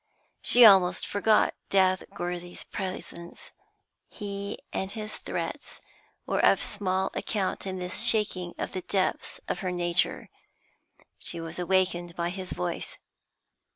She almost forgot Dagworthy's presence; he and his threats were of small account in this shaking of the depths of her nature. She was awakened by his voice.